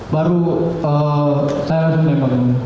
baru saya langsung menembak